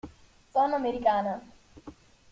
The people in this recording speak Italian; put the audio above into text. Sono americana.